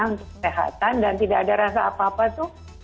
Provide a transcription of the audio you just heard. untuk kesehatan dan tidak ada rasa apa apa tuh